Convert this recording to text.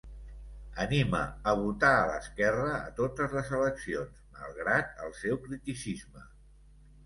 Anima a votar a l'esquerra a totes les eleccions, malgrat el seu criticisme.